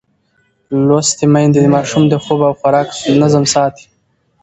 لوستې میندې د ماشوم د خوب او خوراک نظم ساتي.